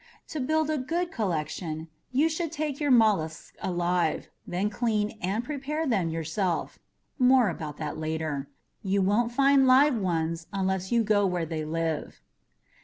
To build a good collection, you should take your mollusks alive, then clean and prepare them yourself. (More about that later.) You won't find live ones unless you go where they live.